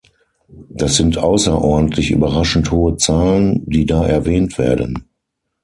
Das sind außerordentlich überraschend hohe Zahlen, die da erwähnt werden.